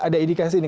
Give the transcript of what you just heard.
ada indikasi ini